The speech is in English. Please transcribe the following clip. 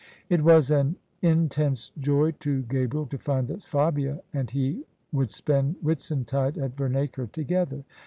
It was an intense joy to Gabriel to find that Fabia and he would spend Whitsuntide at Vemacre together.